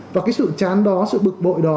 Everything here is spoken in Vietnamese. và cái sự chán đó sự bực bội đó